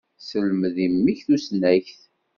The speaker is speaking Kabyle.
Selmed i mmi-k tusnakt.